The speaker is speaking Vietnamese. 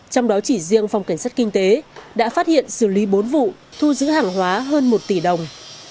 trong đó chỉ riêng phòng cảnh sát kinh tế đã phát hiện xử lý bốn vụ thu giữ hàng hóa hơn một tỷ đồng